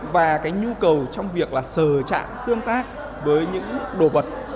và cái nhu cầu trong việc là sờ trạng tương tác với những đồ vật